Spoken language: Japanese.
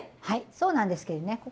はいそうなんですけどね